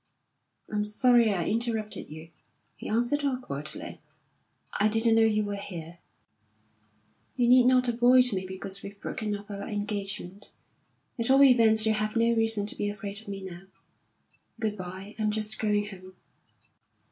"I'm sorry I interrupted you," he answered, awkwardly. "I didn't know you were here." "You need not avoid me because we've broken off our engagement. At all events, you have no reason to be afraid of me now. Good bye! I'm just going home."